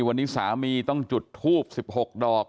วันนี้สามีต้องจุดทูบ๑๖ดอก